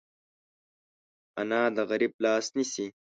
انا د غریب لاس نیسي